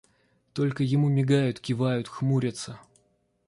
Только, ему мигают, кивают, хмурятся.